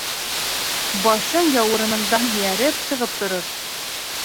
Башың яурыныңдан һерәйеп сығып торор.